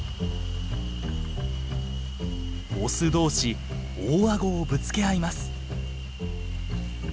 オス同士大顎をぶつけ合います。